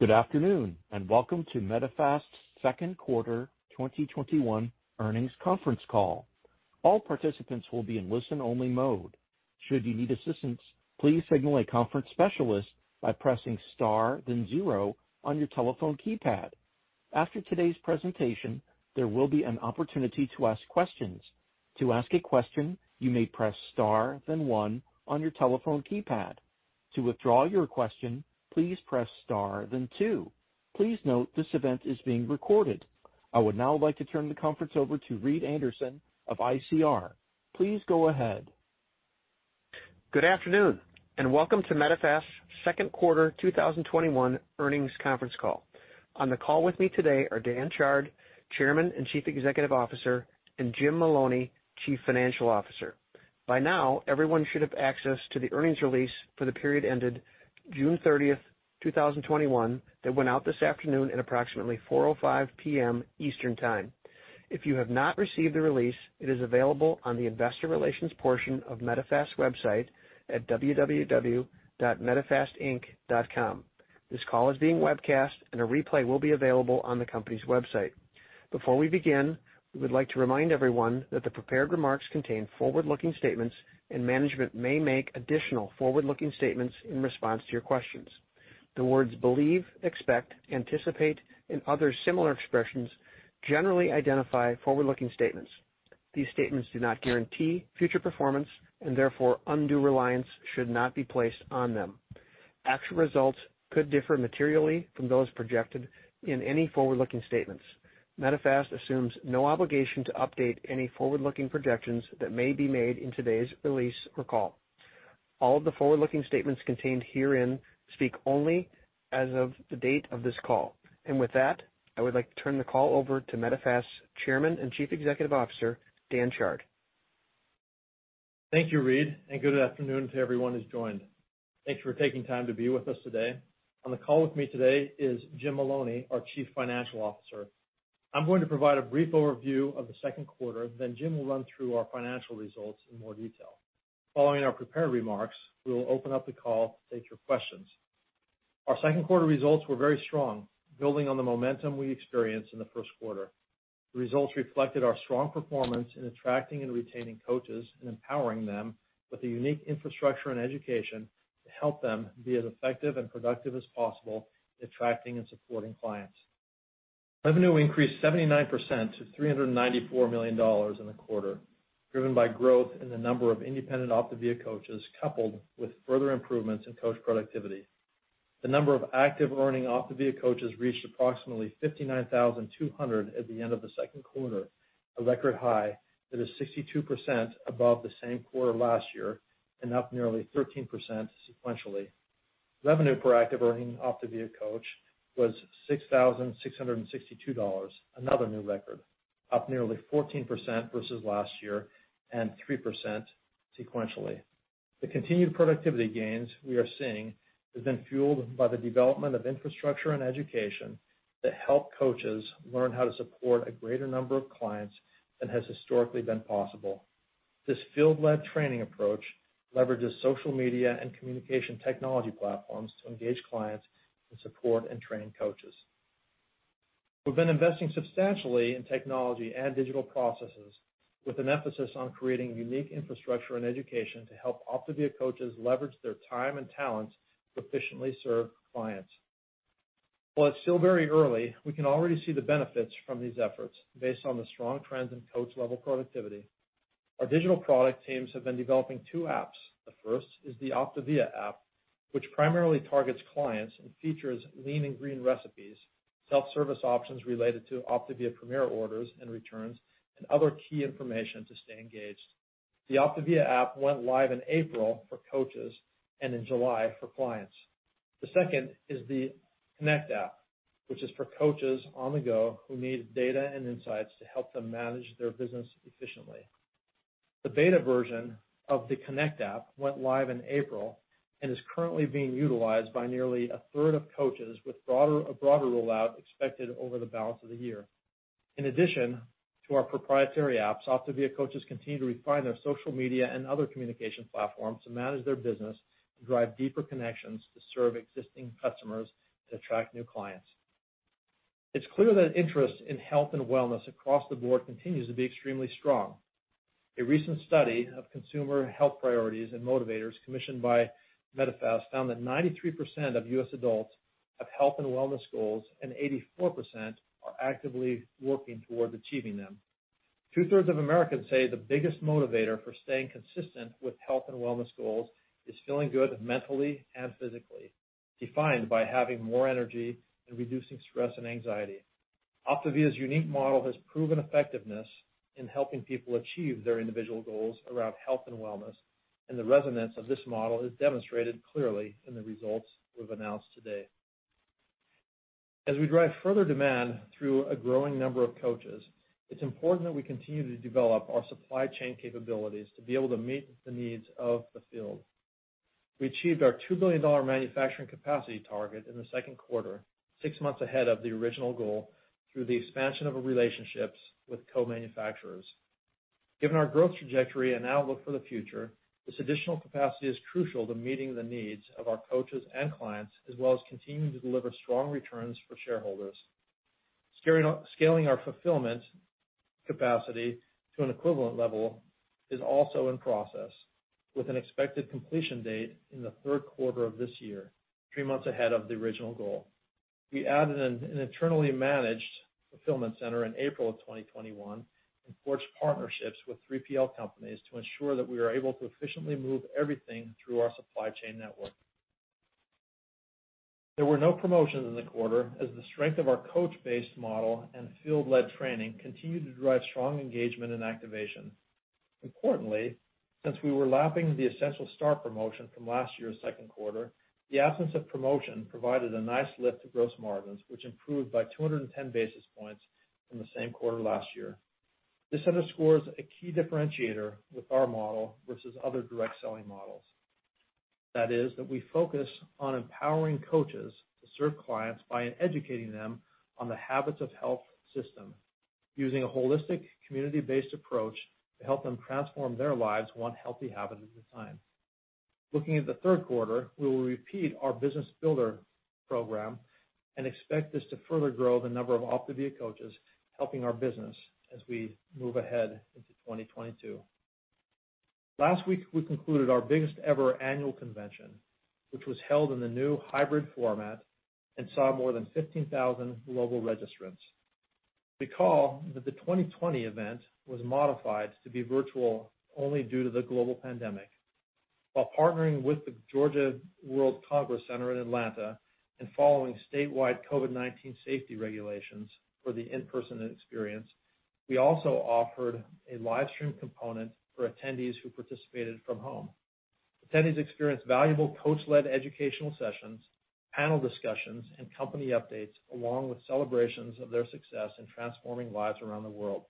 Good afternoon, and welcome to Medifast's second quarter 2021 earnings conference call. All participants will be in listen-only mode. Should you need assistance, please signal a conference specialist by pressing star then zero on your telephone keypad. After today's presentation, there will be an opportunity to ask questions. To ask a question, you may press star then one on your telephone keypad. To withdraw your question, please press star then two. Please note, this event is being recorded. I would now like to turn the conference over to Reed Anderson of ICR. Please go ahead. Good afternoon, and welcome to Medifast's second quarter 2021 earnings conference call. On the call with me today are Dan Chard, Chairman and Chief Executive Officer, and Jim Maloney, Chief Financial Officer. By now, everyone should have access to the earnings release for the period ended June 30th, 2021, that went out this afternoon at approximately 4:05 P.M. Eastern Time. If you have not received the release, it is available on the investor relations portion of Medifast website at www.medifastinc.com. This call is being webcast, and a replay will be available on the company's website. Before we begin, we would like to remind everyone that the prepared remarks contain forward-looking statements, and management may make additional forward-looking statements in response to your questions. The words believe, expect, anticipate, and other similar expressions generally identify forward-looking statements. These statements do not guarantee future performance. Therefore undue reliance should not be placed on them. Actual results could differ materially from those projected in any forward-looking statements. Medifast assumes no obligation to update any forward-looking projections that may be made in today's release or call. All of the forward-looking statements contained herein speak only as of the date of this call. With that, I would like to turn the call over to Medifast's Chairman and Chief Executive Officer, Dan Chard. Thank you, Reed. Good afternoon to everyone who's joined. Thanks for taking time to be with us today. On the call with me today is Jim Maloney, our Chief Financial Officer. I'm going to provide a brief overview of the second quarter. Jim will run through our financial results in more detail. Following our prepared remarks, we will open up the call to take your questions. Our second quarter results were very strong, building on the momentum we experienced in the first quarter. The results reflected our strong performance in attracting and retaining coaches and empowering them with the unique infrastructure and education to help them be as effective and productive as possible attracting and supporting clients. Revenue increased 79% to $394 million in the quarter, driven by growth in the number of independent OPTAVIA coaches, coupled with further improvements in coach productivity. The number of active earning OPTAVIA coaches reached approximately 59,200 at the end of the second quarter, a record high that is 62% above the same quarter last year and up nearly 13% sequentially. Revenue per active earning OPTAVIA coach was $6,662, another new record, up nearly 14% versus last year and 3% sequentially. The continued productivity gains we are seeing have been fueled by the development of infrastructure and education that help coaches learn how to support a greater number of clients than has historically been possible. This field-led training approach leverages social media and communication technology platforms to engage clients and support and train coaches. We've been investing substantially in technology and digital processes with an emphasis on creating unique infrastructure and education to help OPTAVIA coaches leverage their time and talents to efficiently serve clients. While it's still very early, we can already see the benefits from these efforts based on the strong trends in coach-level productivity. Our digital product teams have been developing two apps. The first is the OPTAVIA app, which primarily targets clients and features Lean and Green recipes, self-service options related to OPTAVIA Premier orders and returns, and other key information to stay engaged. The OPTAVIA app went live in April for coaches and in July for clients. The second is the Connect app, which is for coaches on the go who need data and insights to help them manage their business efficiently. The beta version of the Connect app went live in April and is currently being utilized by nearly a third of coaches, with a broader rollout expected over the balance of the year. In addition to our proprietary apps, OPTAVIA coaches continue to refine their social media and other communication platforms to manage their business to drive deeper connections to serve existing customers to attract new clients. It's clear that interest in health and wellness across the board continues to be extremely strong. A recent study of consumer health priorities and motivators commissioned by Medifast found that 93% of U.S. adults have health and wellness goals, and 84% are actively working towards achieving them. Two-thirds of Americans say the biggest motivator for staying consistent with health and wellness goals is feeling good mentally and physically, defined by having more energy and reducing stress and anxiety. OPTAVIA's unique model has proven effectiveness in helping people achieve their individual goals around health and wellness, and the resonance of this model is demonstrated clearly in the results we've announced today. As we drive further demand through a growing number of coaches, it's important that we continue to develop our supply chain capabilities to be able to meet the needs of the field. We achieved our $2 billion manufacturing capacity target in the second quarter, six months ahead of the original goal, through the expansion of our relationships with co-manufacturers. Given our growth trajectory and outlook for the future, this additional capacity is crucial to meeting the needs of our coaches and clients, as well as continuing to deliver strong returns for shareholders. Scaling our fulfillment capacity to an equivalent level is also in process, with an expected completion date in the third quarter of this year, three months ahead of the original goal. We added an internally managed fulfillment center in April of 2021. Forged partnerships with 3PL companies to ensure that we are able to efficiently move everything through our supply chain network. There were no promotions in the quarter as the strength of our coach-based model and field-led training continued to drive strong engagement and activation. Importantly, since we were lapping the Essential Start promotion from last year's second quarter, the absence of promotion provided a nice lift to gross margins, which improved by 210 basis points from the same quarter last year. This underscores a key differentiator with our model versus other direct selling models. That is, that we focus on empowering coaches to serve clients by educating them on the Habits of Health system, using a holistic, community-based approach to help them transform their lives one healthy habit at a time. Looking at the third quarter, we will repeat our Business Builder program and expect this to further grow the number of OPTAVIA coaches helping our business as we move ahead into 2022. Last week, we concluded our biggest-ever annual convention, which was held in the new hybrid format and saw more than 15,000 global registrants. Recall that the 2020 event was modified to be virtual only due to the global pandemic. While partnering with the Georgia World Congress Center in Atlanta and following statewide COVID-19 safety regulations for the in-person experience, we also offered a live stream component for attendees who participated from home. Attendees experienced valuable coach-led educational sessions, panel discussions, and company updates, along with celebrations of their success in transforming lives around the world.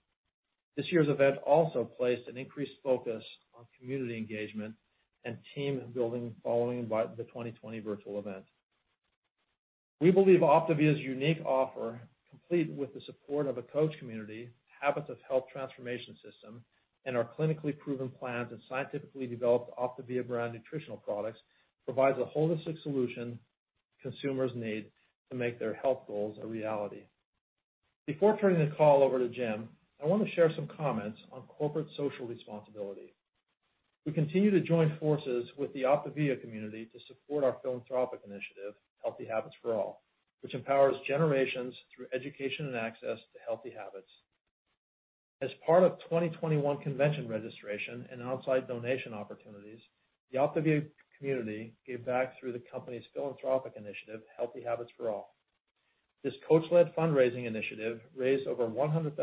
This year's event also placed an increased focus on community engagement and team building following the 2020 virtual event. We believe OPTAVIA's unique offer, complete with the support of a coach community, Habits of Health Transformational System, and our clinically proven plans and scientifically developed OPTAVIA brand nutritional products, provides a holistic solution consumers need to make their health goals a reality. Before turning the call over to Jim, I want to share some comments on corporate social responsibility. We continue to join forces with the OPTAVIA community to support our philanthropic initiative, Healthy Habits For All, which empowers generations through education and access to healthy habits. As part of 2021 convention registration and outside donation opportunities, the OPTAVIA community gave back through the company's philanthropic initiative, Healthy Habits For All. This coach-led fundraising initiative raised over $100,000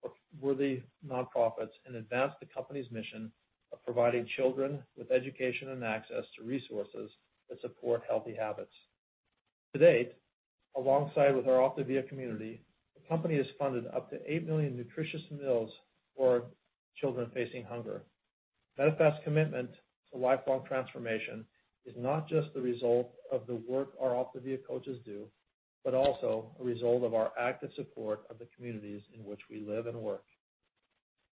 for worthy nonprofits and advanced the company's mission of providing children with education and access to resources that support healthy habits. To date, alongside with our OPTAVIA community, the company has funded up to 8 million nutritious meals for children facing hunger. Medifast's commitment to lifelong transformation is not just the result of the work our OPTAVIA coaches do, but also a result of our active support of the communities in which we live and work.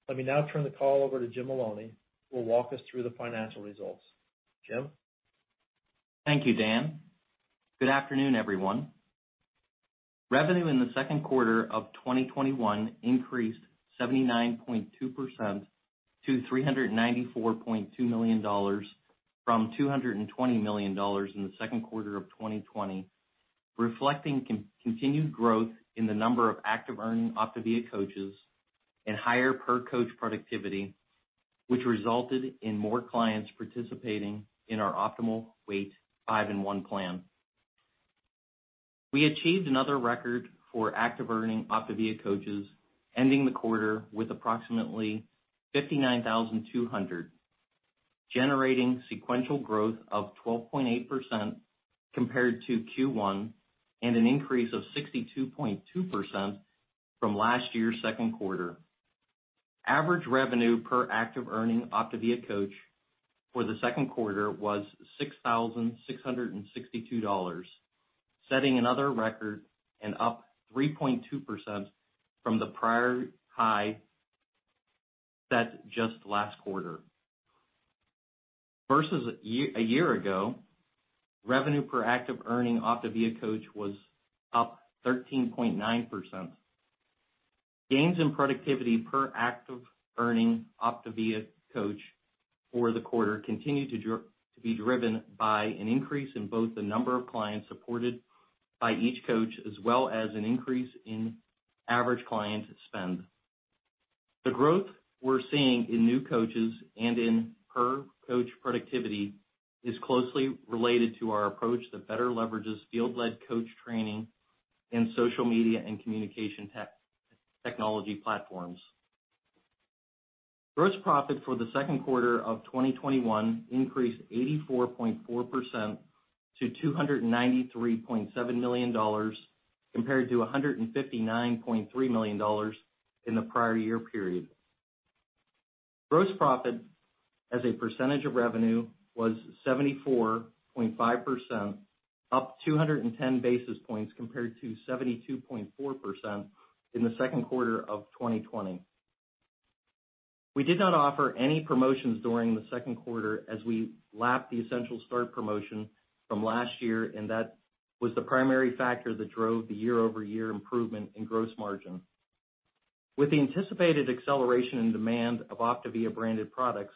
Let me now turn the call over to Jim Maloney, who will walk us through the financial results. Jim? Thank you, Dan. Good afternoon, everyone. Revenue in the second quarter of 2021 increased 79.2% to $394.2 million from $220 million in the second quarter of 2020, reflecting continued growth in the number of active earning OPTAVIA coaches and higher per-coach productivity, which resulted in more clients participating in our Optimal Weight 5 & 1 Plan. We achieved another record for active earning OPTAVIA coaches, ending the quarter with approximately 59,200, generating sequential growth of 12.8% compared to Q1, and an increase of 62.2% from last year's second quarter. Average revenue per active earning OPTAVIA coach for the second quarter was $6,662, setting another record and up 3.2% from the prior high set just last quarter. Versus a year ago, revenue per active earning OPTAVIA coach was up 13.9%. Gains in productivity per active earning OPTAVIA coach for the quarter continued to be driven by an increase in both the number of clients supported by each coach, as well as an increase in average client spend. The growth we're seeing in new coaches and in per-coach productivity is closely related to our approach that better leverages field-led coach training in social media and communication technology platforms. Gross profit for the second quarter of 2021 increased 84.4% to $293.7 million compared to $159.3 million in the prior year period. Gross profit as a percentage of revenue was 74.5%, up 210 basis points compared to 72.4% in the second quarter of 2020. We did not offer any promotions during the second quarter as we lapped the Essential Start promotion from last year. That was the primary factor that drove the year-over-year improvement in gross margin. With the anticipated acceleration in demand of OPTAVIA-branded products,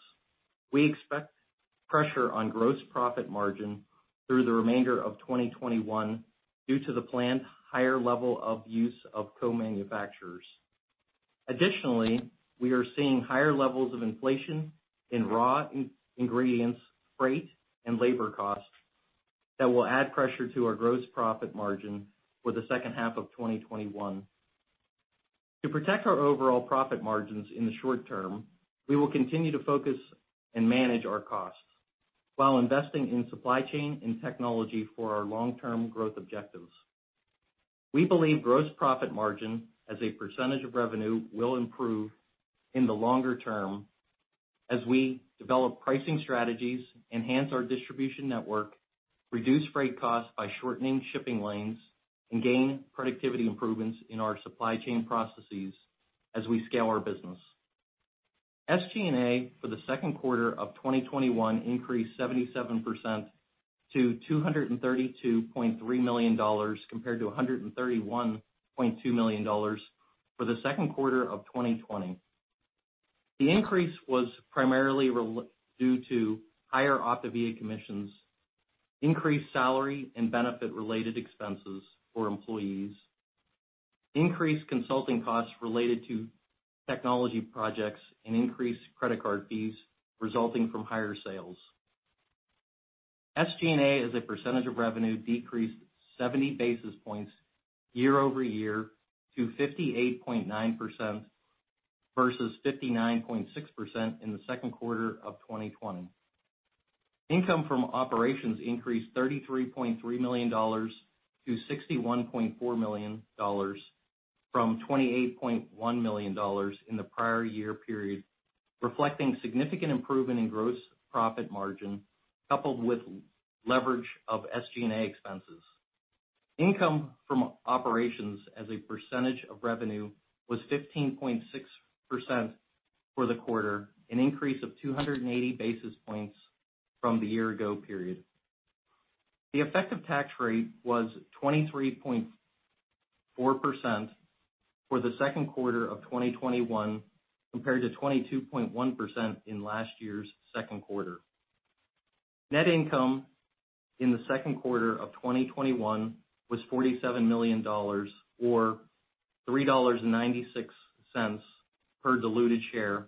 we expect pressure on gross profit margin through the remainder of 2021 due to the planned higher level of use of co-manufacturers. Additionally, we are seeing higher levels of inflation in raw ingredients, freight, and labor cost that will add pressure to our gross profit margin for the second half of 2021. To protect our overall profit margins in the short term, we will continue to focus and manage our costs while investing in supply chain and technology for our long-term growth objectives. We believe gross profit margin as a percentage of revenue will improve in the longer term as we develop pricing strategies, enhance our distribution network, reduce freight costs by shortening shipping lanes, and gain productivity improvements in our supply chain processes as we scale our business. SG&A for the second quarter of 2021 increased 77% to $232.3 million compared to $131.2 million for the second quarter of 2020. The increase was primarily due to higher OPTAVIA commissions, increased salary and benefit-related expenses for employees, increased consulting costs related to technology projects, and increased credit card fees resulting from higher sales. SG&A as a percentage of revenue decreased 70 basis points year-over-year to 58.9% versus 59.6% in the second quarter of 2020. Income from operations increased $33.3 million to $61.4 million from $28.1 million in the prior year period, reflecting significant improvement in gross profit margin, coupled with leverage of SG&A expenses. Income from operations as a percentage of revenue was 15.6% for the quarter, an increase of 280 basis points from the year-ago period. The effective tax rate was 23.4% for the second quarter of 2021 compared to 22.1% in last year's second quarter. Net income in the second quarter of 2021 was $47 million, or $3.96 per diluted share,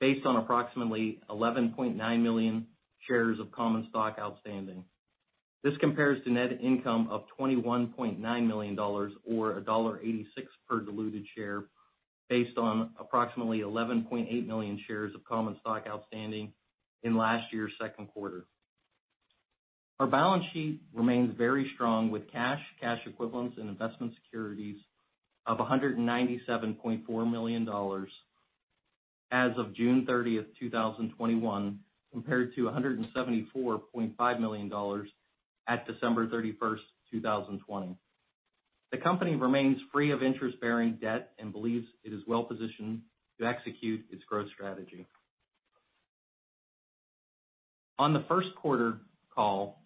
based on approximately 11.9 million shares of common stock outstanding. This compares to net income of $21.9 million, or $1.86 per diluted share, based on approximately 11.8 million shares of common stock outstanding in last year's second quarter. Our balance sheet remains very strong with cash equivalents, and investment securities of $197.4 million as of June 30th, 2021, compared to $174.5 million at December 31st, 2020. The company remains free of interest-bearing debt and believes it is well-positioned to execute its growth strategy. On the first quarter call,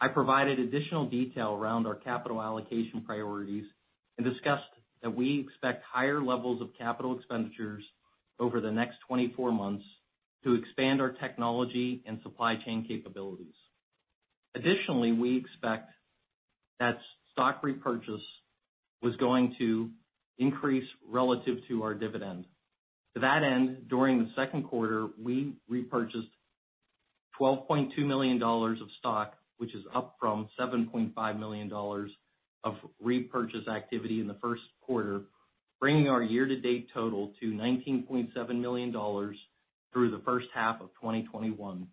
I provided additional detail around our capital allocation priorities and discussed that we expect higher levels of capital expenditures over the next 24 months to expand our technology and supply chain capabilities. Additionally, we expect that stock repurchase was going to increase relative to our dividend. To that end, during the second quarter, we repurchased $12.2 million of stock, which is up from $7.5 million of repurchase activity in the first quarter, bringing our year-to-date total to $19.7 million through the first half of 2021.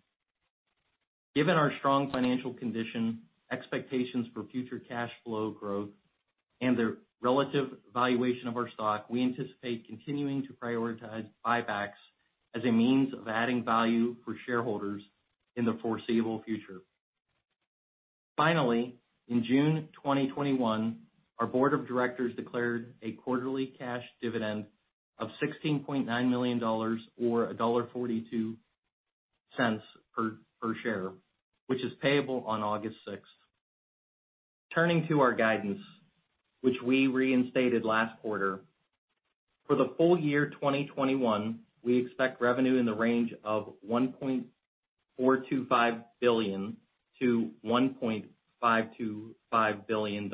Given our strong financial condition, expectations for future cash flow growth, and the relative valuation of our stock, we anticipate continuing to prioritize buybacks as a means of adding value for shareholders in the foreseeable future. Finally, in June 2021, our board of directors declared a quarterly cash dividend of $16.9 million, or $1.42 per share, which is payable on August 6th. Turning to our guidance, which we reinstated last quarter. For the full year 2021, we expect revenue in the range of $1.425 billion-$1.525 billion,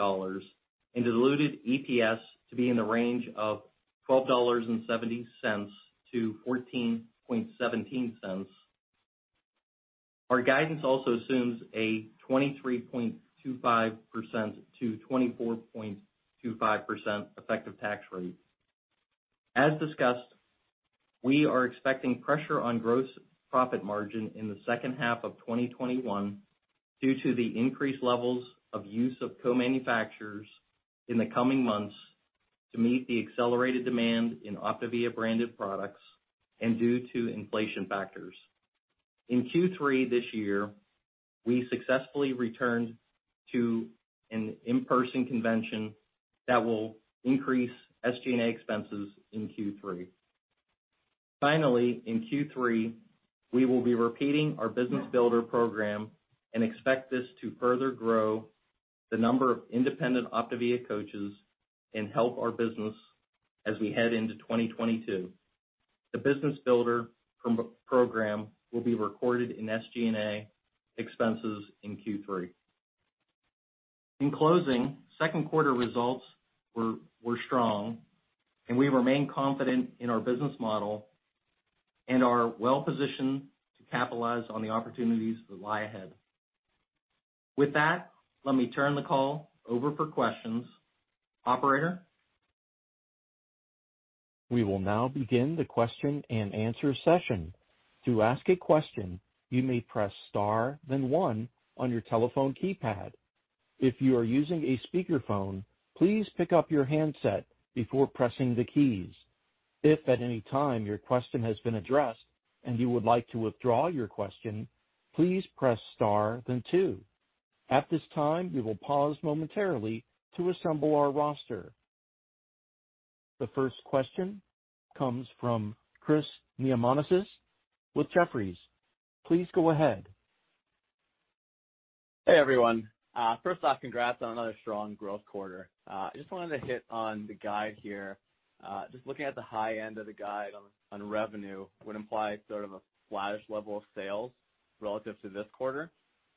and diluted EPS to be in the range of $12.70-$14.17. Our guidance also assumes a 23.25%-24.25% effective tax rate. As discussed, we are expecting pressure on gross profit margin in the second half of 2021 due to the increased levels of use of co-manufacturers in the coming months to meet the accelerated demand in OPTAVIA-branded products and due to inflation factors. In Q3 this year, we successfully returned to an in-person convention that will increase SG&A expenses in Q3. Finally, in Q3, we will be repeating our Business Builder program and expect this to further grow the number of independent OPTAVIA coaches and help our business as we head into 2022. The Business Builder program will be recorded in SG&A expenses in Q3. In closing, second-quarter results were strong, and we remain confident in our business model and are well-positioned to capitalize on the opportunities that lie ahead. With that, let me turn the call over for questions. Operator? We will now begin the question and answer session. To ask a question, you may press star then one on your telephone keypad. If you are using a speakerphone, please pick up your handset before pressing the keys. If at any time your question has been addressed and you would like to withdraw your question, please press star then two. At this time, we will pause momentarily to assemble our roster. The first question comes from Chris Neamonitis with Jefferies. Please go ahead. Hey, everyone. First off, congrats on another strong growth quarter. I just wanted to hit on the guide here. Just looking at the high end of the guide on revenue would imply sort of a flattish level of sales relative to this quarter.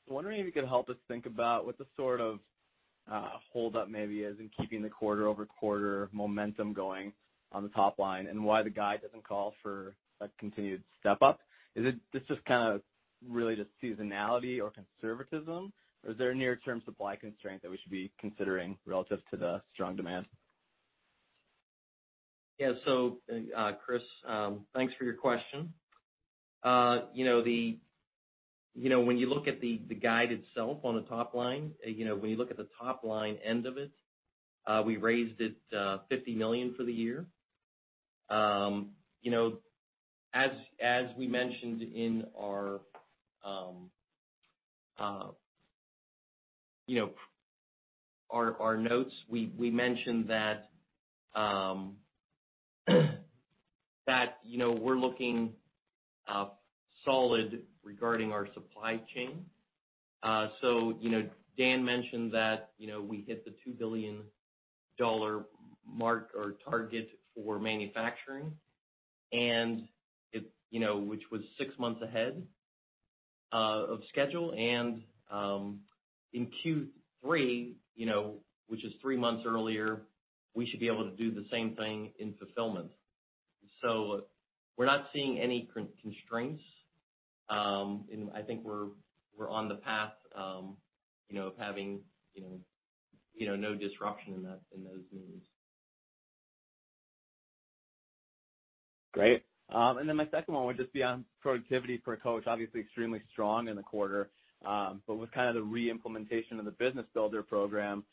Wondering if you could help us think about what the sort of hold up maybe is in keeping the quarter-over-quarter momentum going on the top line, and why the guide doesn't call for a continued step up. Is it just kind of really just seasonality or conservatism, or is there a near-term supply constraint that we should be considering relative to the strong demand? Chris, thanks for your question. When you look at the guide itself on the top line, when you look at the top line end of it, we raised it $50 million for the year. As we mentioned in our notes, we mentioned that we're looking solid regarding our supply chain. Dan mentioned that we hit the $2 billion mark or target for manufacturing, which was six months ahead of schedule. In Q3, which is three months earlier, we should be able to do the same thing in fulfillment. We're not seeing any constraints. I think we're on the path of having no disruption in those moves. Great. My second one would just be on productivity per coach, obviously extremely strong in the quarter. With kind of the re-implementation of the Business Builder program,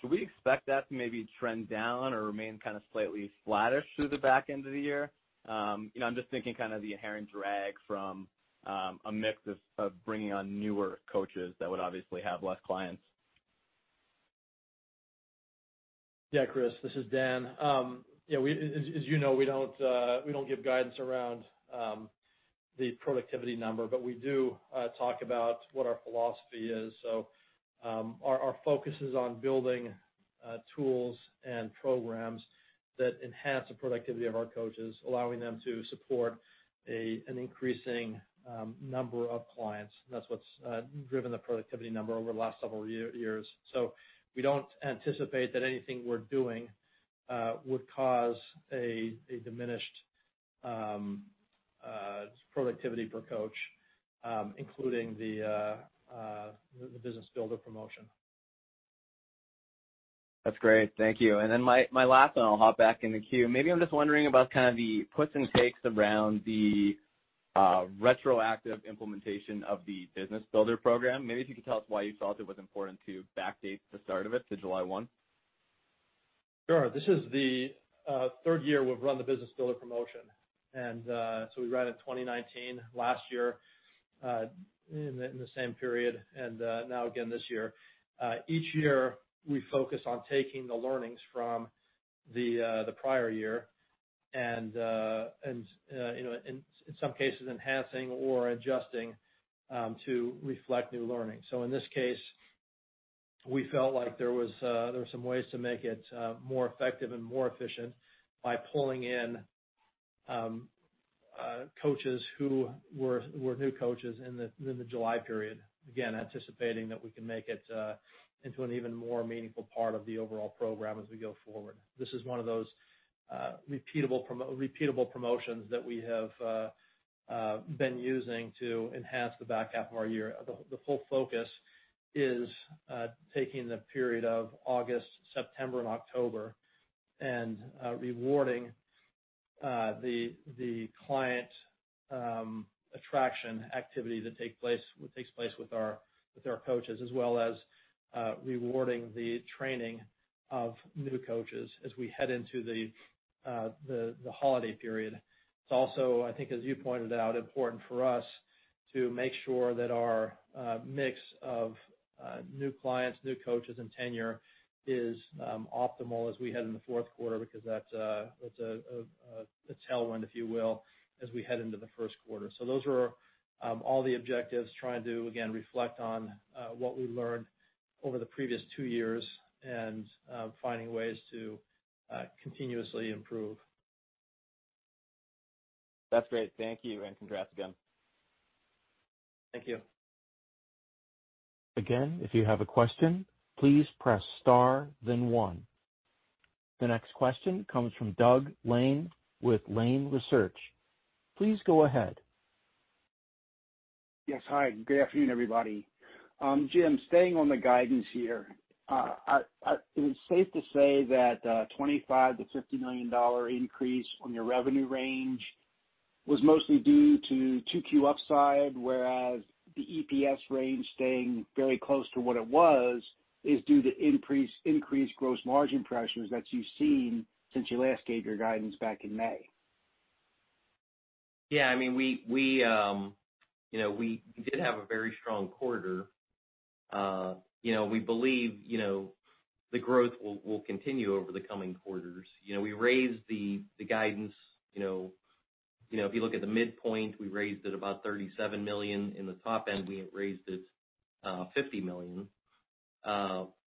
should we expect that to maybe trend down or remain kind of slightly flattish through the back end of the year? I'm just thinking kind of the inherent drag from a mix of bringing on newer coaches that would obviously have less clients. Yeah, Chris, this is Dan. As you know, we don't give guidance around the productivity number, but we do talk about what our philosophy is. Our focus is on building tools and programs that enhance the productivity of our coaches, allowing them to support an increasing number of clients. That's what's driven the productivity number over the last several years. We don't anticipate that anything we're doing would cause a diminished productivity per coach, including the Business Builder promotion. That's great. Thank you. My last one, I'll hop back in the queue. I'm just wondering about kind of the puts and takes around the retroactive implementation of the Business Builder program. If you could tell us why you thought it was important to backdate the start of it to July 1? Sure. This is the third year we've run the Business Builder promotion. We ran it in 2019, last year in the same period, and now again this year. Each year, we focus on taking the learnings from the prior year and, in some cases, enhancing or adjusting to reflect new learning. In this case, we felt like there were some ways to make it more effective and more efficient by pulling in coaches who were new coaches in the July period, again, anticipating that we can make it into an even more meaningful part of the overall program as we go forward. This is one of those repeatable promotions that we have been using to enhance the back half of our year. The full focus is taking the period of August, September, and October and rewarding the client attraction activity that takes place with our coaches, as well as rewarding the training of new coaches as we head into the holiday period. It's also, I think as you pointed out, important for us to make sure that our mix of new clients, new coaches, and tenure is optimal as we head into the fourth quarter, because that's a tailwind, if you will, as we head into the first quarter. Those are all the objectives, trying to, again, reflect on what we learned over the previous two years and finding ways to continuously improve. That's great. Thank you, and congrats again. Thank you. Again, if you have a question, please press star then one. The next question comes from Doug Lane with Lane Research. Please go ahead. Yes. Hi, good afternoon, everybody. Jim, staying on the guidance here, is it safe to say that $25 million-$50 million increase on your revenue range was mostly due to 2Q upside, whereas the EPS range staying very close to what it was, is due to increased gross margin pressures that you've seen since you last gave your guidance back in May? We did have a very strong quarter. We believe the growth will continue over the coming quarters. We raised the guidance. If you look at the midpoint, we raised it about $37 million. In the top end, we have raised it $50 million.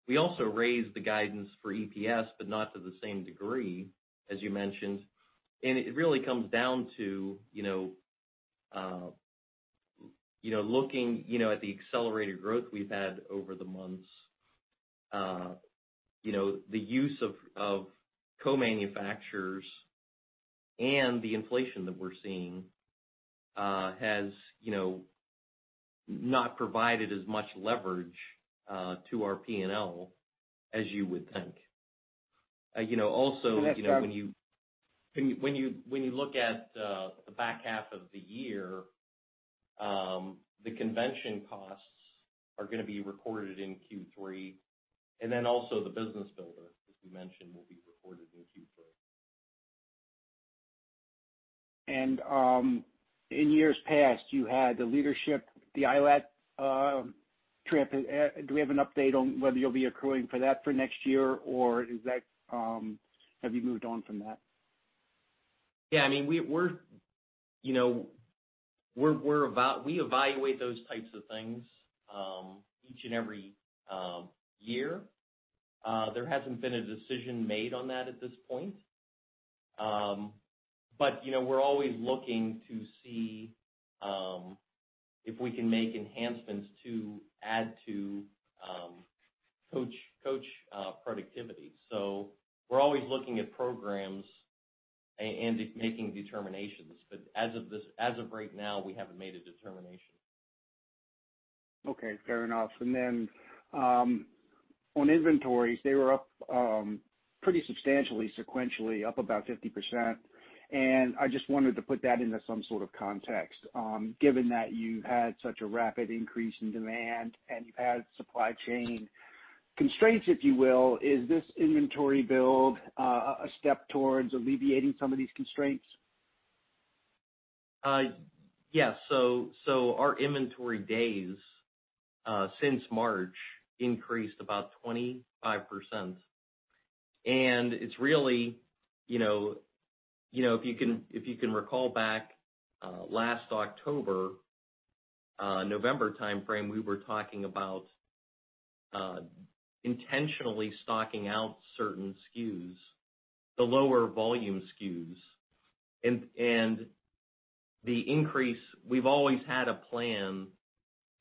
We also raised the guidance for EPS, not to the same degree, as you mentioned. It really comes down to looking at the accelerated growth we've had over the months. The use of co-manufacturers and the inflation that we're seeing has not provided as much leverage to our P&L as you would think. Can I just- When you look at the back half of the year, the convention costs are going to be recorded in Q3, and then also the Business Builder, as we mentioned, will be recorded in Q3. In years past, you had the leadership, the ILAT. Do we have an update on whether you'll be accruing for that for next year, or have you moved on from that? Yeah. We evaluate those types of things each and every year. There hasn't been a decision made on that at this point. We're always looking to see if we can make enhancements to add to coach productivity. So we're always looking at programs and making determinations. As of right now, we haven't made a determination. Okay. Fair enough. On inventories, they were up pretty substantially, sequentially up about 50%, and I just wanted to put that into some sort of context. Given that you've had such a rapid increase in demand and you've had supply chain constraints, if you will. Is this inventory build a step towards alleviating some of these constraints? Yes. Our inventory days, since March, increased about 25%. If you can recall back last October, November timeframe, we were talking about intentionally stocking out certain SKUs, the lower volume SKUs. We've always had a plan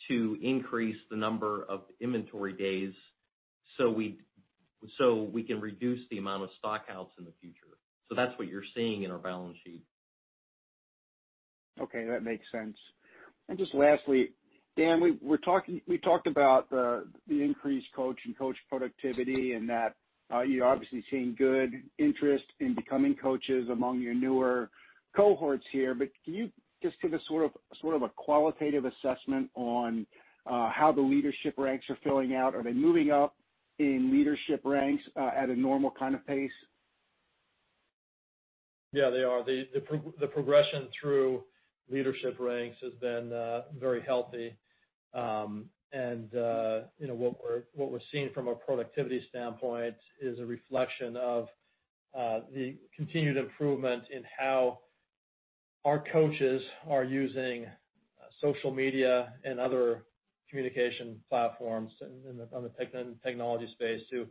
to increase the number of inventory days so we can reduce the amount of stock outs in the future. That's what you're seeing in our balance sheet. Okay. That makes sense. Just lastly, Dan, we talked about the increased coach and coach productivity and that you're obviously seeing good interest in becoming coaches among your newer cohorts here, but can you just give a qualitative assessment on how the leadership ranks are filling out? Are they moving up in leadership ranks at a normal kind of pace? Yeah. They are. The progression through leadership ranks has been very healthy. What we're seeing from a productivity standpoint is a reflection of the continued improvement in how our coaches are using social media and other communication platforms on the technology space to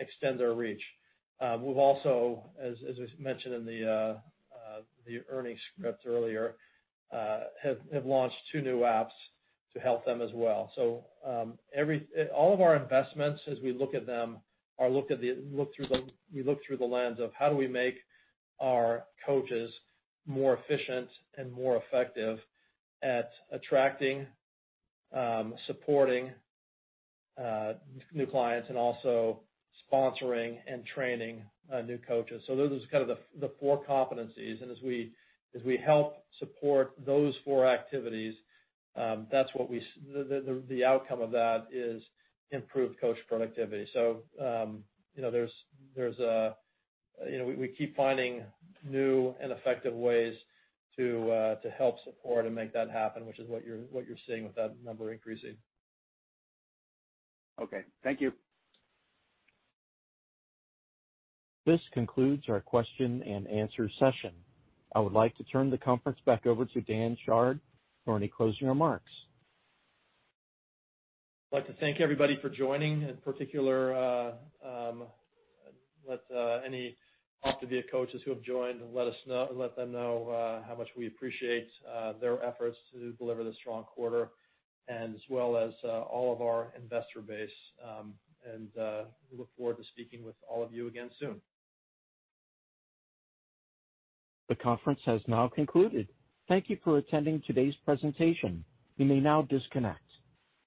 extend their reach. We've also, as was mentioned in the earnings script earlier, have launched two new apps to help them as well. All of our investments, as we look at them, we look through the lens of how do we make our coaches more efficient and more effective at attracting, supporting new clients and also sponsoring and training new coaches. Those are kind of the four competencies, and as we help support those four activities, the outcome of that is improved coach productivity. We keep finding new and effective ways to help support and make that happen, which is what you're seeing with that number increasing. Okay. Thank you. This concludes our question-and-answer session. I would like to turn the conference back over to Dan Chard for any closing remarks. I'd like to thank everybody for joining, in particular, any OPTAVIA coaches who have joined, let them know how much we appreciate their efforts to deliver this strong quarter, and as well as all of our investor base. We look forward to speaking with all of you again soon. The conference has now concluded. Thank you for attending today's presentation. You may now disconnect.